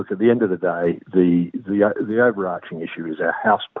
ada yang tidak cukup